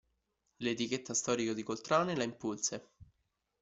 L'etichetta storica di Coltrane, la Impulse!